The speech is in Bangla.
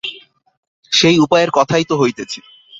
সেই উপায়ের কথাই তো হইতেছে।